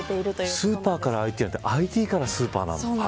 スーパーからＩＴじゃなくてＩＴからスーパーなんだ。